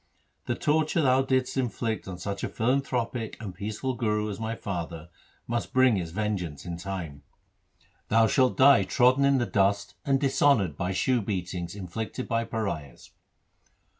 The torture thou didst inflict on such a philanthropic and peaceful Guru as my father, must bring its vengeance in time. LIFE OF GURU HAR GOBIND 9 Thou shalt die trodden in the dust and dishonoured by shoe beatings inflicted by pariahs.